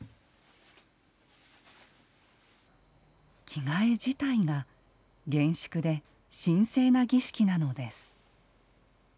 着替え自体が厳粛で神聖な儀式なのです。